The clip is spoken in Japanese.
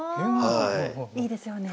あいいですよね。